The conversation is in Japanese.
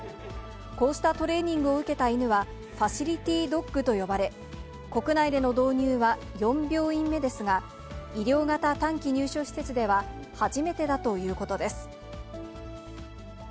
こうしたトレーニングを受けた犬は、ファシリティドッグと呼ばれ、国内での導入は４病院目ですが、医療型短期入所施設では、初めてだということです。